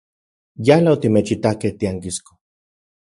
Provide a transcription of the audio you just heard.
Yala otimechitakej tiankisko.